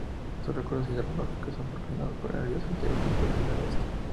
Sus recursos hidrológicos son proporcionados por el río Santiago, que proviene del oeste.